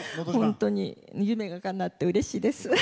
本当に夢がかなってうれしいです。